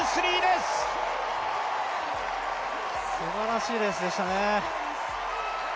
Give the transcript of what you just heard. すばらしいレースでしたね。